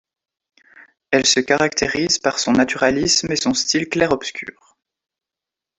Elle se caractérise par son naturalisme et son style clair-obscur.